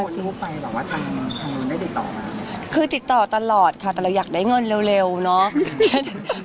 อัตโปรมาชีวิตคือติดต่อตลอดค่ะแต่เราอยากได้เงินเร็วเนอะ